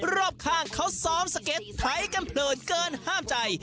รอบข้างเขาซ้อมสเก็ตไถกันเผลินเกินห้ามใจ